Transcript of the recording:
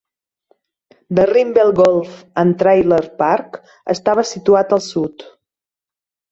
The Rimbey Golf and Trailer Park estava situat al sud.